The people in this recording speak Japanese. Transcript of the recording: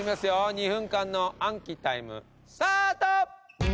２分間の暗記タイムスタート！